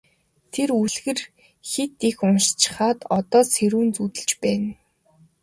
Тэр үлгэр хэт их уншчихаад одоо сэрүүн зүүдэлж байна.